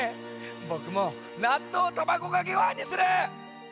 ぼくも「なっとうたまごかけごはん」にする！